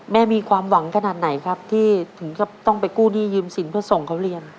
มีความหวังขนาดไหนครับที่ถึงกับต้องไปกู้หนี้ยืมสินเพื่อส่งเขาเรียน